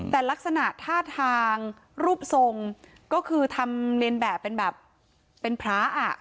แต่ลักษณะท่าทางรูปทรงก็คือทำเรียนแบบเป็นพระ